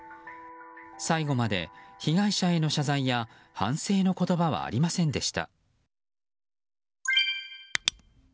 最後まで被害者への謝罪や反省の言葉はありませんでした。